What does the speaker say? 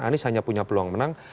anies hanya punya peluang menang